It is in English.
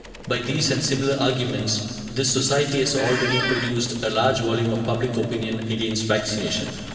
By these and similar arguments, this society has already produced a large volume of public opinion against vaccination.